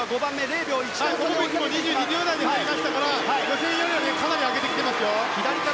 ポポビッチも２２秒台で入りましたから予選よりもかなり上げてきています。